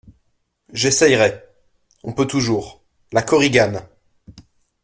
J'essayerai ; on peut toujours … LA KORIGANE.